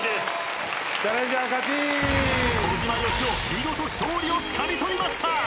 見事勝利をつかみ取りました。